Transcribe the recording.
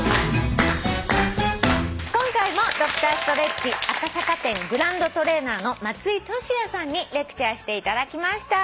今回もＤｒ．ｓｔｒｅｔｃｈ赤坂店グランドトレーナーの松居俊弥さんにレクチャーしていただきました。